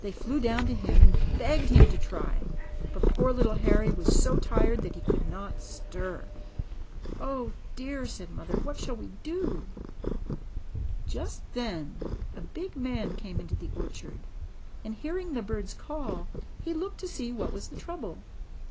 They flew down to him and begged him to try; but poor little Harry was so tired that he could not stir. ^Dh dear!" said mother, ^What shall we do?" THE ROBINS' HOME. 73 Just then a big man came into the orchard, and, hearing the birds call, he looked to see what was the trouble.